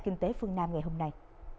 kinh tế phương nam ngày hôm nay